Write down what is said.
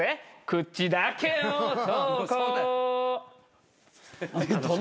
「口だけ男」